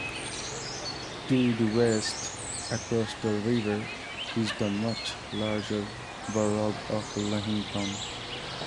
To the west, across the river, is the much larger borough of Lehighton.